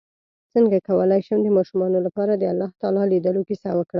څنګه کولی شم د ماشومانو لپاره د الله تعالی لیدلو کیسه وکړم